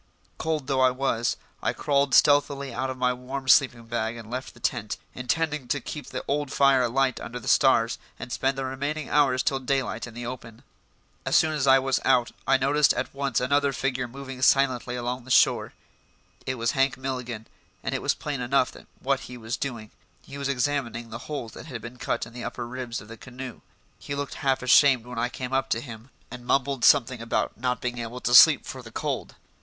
Cold though it was, I crawled stealthily out of my warm sleeping bag and left the tent, intending to keep the old fire alight under the stars and spend the remaining hours till daylight in the open. As soon as I was out I noticed at once another figure moving silently along the shore. It was Hank Milligan, and it was plain enough what he was doing: he was examining the holes that had been cut in the upper ribs of the canoe. He looked half ashamed when I came up with him, and mumbled something about not being able to sleep for the cold.